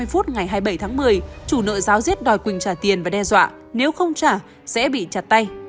chín h ba mươi ngày hai mươi bảy tháng một mươi chủ nợ giáo riết đòi quỳnh trả tiền và đe dọa nếu không trả sẽ bị chặt tay